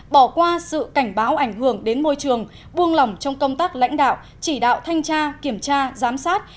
bỏ qua sự cảnh báo ảnh hưởng đến môi trường buông lỏng trong công tác lãnh đạo chỉ đạo thanh tra kiểm tra giám sát